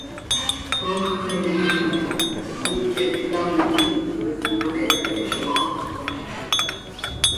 Toox cayaxi ha, hiiquet ctam quih imahéhetoj.